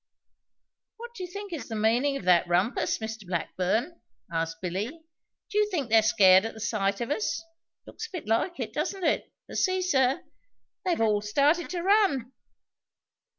"What do you think is the meaning of that rumpus, Mr Blackburn?" asked Billy. "Do you think they're scared at the sight of us? It looks a bit like it, doesn't it; for, see, sir, they've all started to run."